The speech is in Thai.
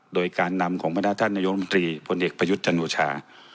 โดยการนำของพระนาท่านนโยมตรีพลเอกประยุทธ์จันทรวชา